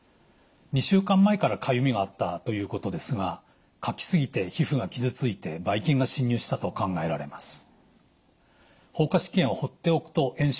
２週間前からかゆみがあったということですがかき過ぎて皮膚が傷ついてばい菌が侵入したと考えられます。